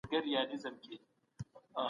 ښه عمل ښه پايله لري.